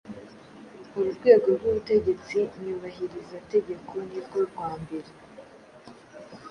Uru rwego rw’Ubutegetsi Nyubahirizategeko ni rwo rwa mbere